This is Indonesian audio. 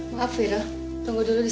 baik tuhan putri